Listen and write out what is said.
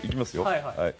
はいはい。